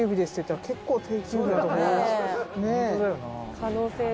「可能性が」